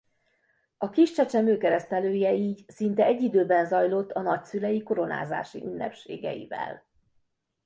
A kis csecsemő keresztelője így szinte egy időben zajlott a nagyszülei koronázási ünnepségeivel.